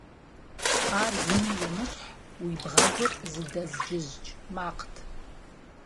Ар зыми емыщхь, уи бгъэгур зыдэзджыздж макът.